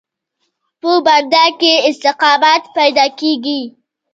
په بنده کې استقامت پیدا کېږي.